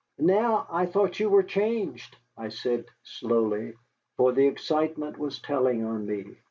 "Now I thought you were changed," I said slowly, for the excitement was telling on me.